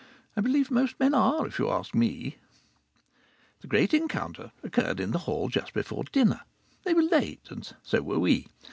I believe most men are, if you ask me. The great encounter occurred in the hall, just before dinner. They were late, and so were we.